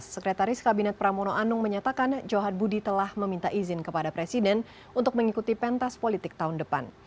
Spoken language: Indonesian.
sekretaris kabinet pramono anung menyatakan johan budi telah meminta izin kepada presiden untuk mengikuti pentas politik tahun depan